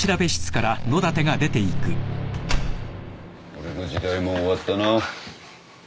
俺の時代も終わったな。